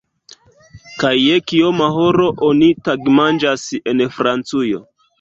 Kaj je kioma horo oni tagmanĝas en Francujo?